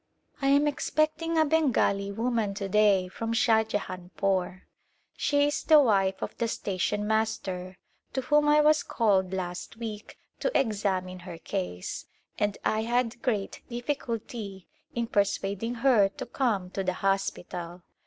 I am expecting a Bengali woman to day from Shahjahanpore. She is the wife of the station master, to whom I was called last week to examine her case and I had great difficulty in persuad ing her to come to the hospital.